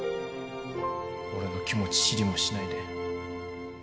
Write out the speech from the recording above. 俺の気持ち知りもしないで。